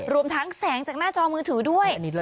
รวมทั้งแสงจากหน้าจอมือถือด้วย